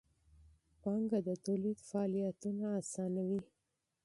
سرمایه د تولید فعالیتونه آسانوي.